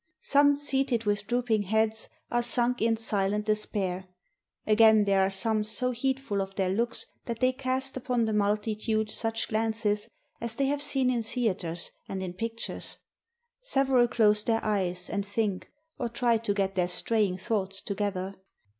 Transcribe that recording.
Some, seated with drooping heads, are sunk in silent despair; again, there are some so heed ful of their looks that they cast upon the multitude such glances as they have seen in theaters, and in pictures. Several close their eyes, and think, or try to get their strajdng thoughts together.